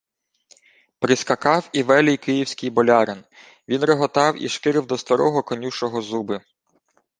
Прискакав і велій київський болярин. Він реготав і шкірив до старого конюшого зуби.